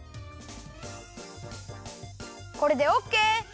これでオッケー！